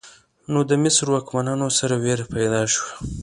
نو د مصر واکمنانو سره ویره پیدا شوه.